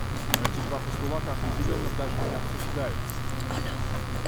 Но эти два постулата определенно даже не обсуждаются.